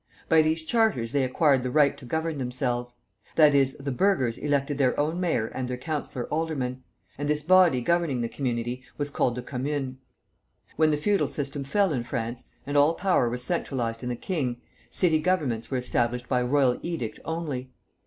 By these charters they acquired the right to govern themselves; that is, the burghers elected their own mayor and their councilor aldermen, and this body governing the community was called the commune. When the feudal system fell in France, and all power was centralized in the king, city governments were established by royal edict only.